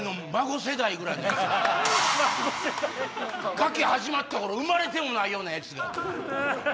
『ガキ』始まった頃生まれてもないようなヤツが。